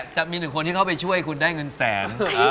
จะมีหนึ่งคนที่เข้าไปช่วยคุณได้เงินแสน